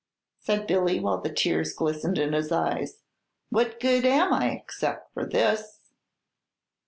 said Billy, while the tears glistened in his eyes. "What good am I, except for this?"